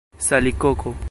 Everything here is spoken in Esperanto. salikoko